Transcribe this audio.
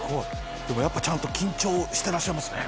でもやっぱちゃんと緊張してらっしゃいますね。